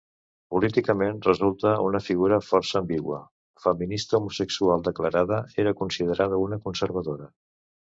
Políticament, resulta una figura força ambigua: feminista homosexual declarada, era considerada una conservadora.